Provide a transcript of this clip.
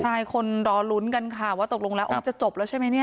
ใช่คนรอลุ้นกันค่ะว่าตกลงแล้วองค์จะจบแล้วใช่ไหมเนี่ย